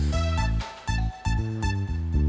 nah ini kau daftar gini the top